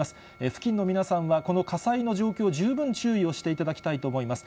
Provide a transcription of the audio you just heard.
付近の皆さんは、この火災の状況、十分注意をしていただきたいと思います。